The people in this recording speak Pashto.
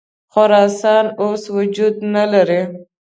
خراسان اوس وجود نه لري.